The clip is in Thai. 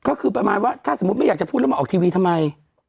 ก็คือประมาณว่าถ้าสมมุติไม่อยากจะพูดแล้วมาออกทีวีทำไม